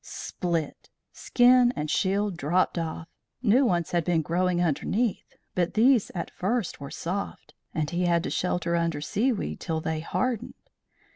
Split! Skin and shield dropped off. New ones had been growing underneath, but these at first were soft, and he had to shelter under seaweed till they hardened.